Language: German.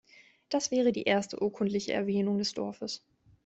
Das wäre die erste urkundliche Erwähnung des Dorfes.